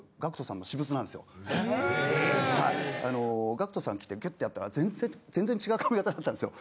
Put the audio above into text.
ＧＡＣＫＴさん来てギュッてやったら全然違う髪形だったんですよ。